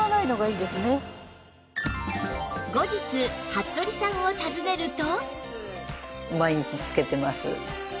服部さんを訪ねると